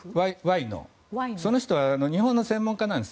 その人は日本の専門家なんです。